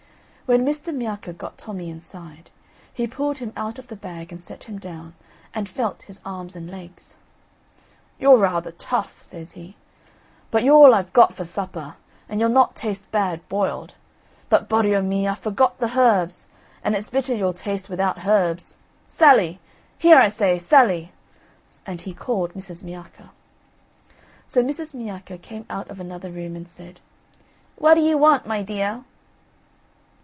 When Mr. Miacca got Tommy inside, he pulled him out of the bag and set him down, and felt his arms and legs. "You're rather tough," says he; "but you're all I've got for supper, and you'll not taste bad boiled. But body o' me, I've forgot the herbs, and it's bitter you'll taste without herbs. Sally! Here, I say, Sally!" and he called Mrs. Miacca. So Mrs. Miacca came out of another room and said: "What d'ye want, my dear?"